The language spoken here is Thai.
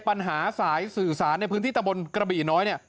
ปัญหาสายสื่อสารพื้นที่ตะบลกระบี่น้อย